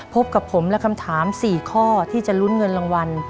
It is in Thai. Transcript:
พบกับผมและคำถาม๔ข้อที่จะลุ้นเงินรางวัล